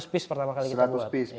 seratus piece pertama kali kita buat